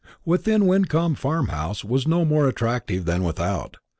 Within Wyncomb Farmhouse was no more attractive than without.